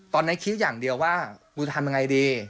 คิดอย่างเดียวว่ากูจะทำยังไงดี